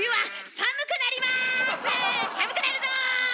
寒くなるぞ！